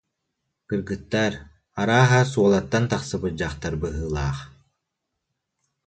«Кыргыттар, арааһа Суолаттан тахсыбыт дьахтар быһыылаах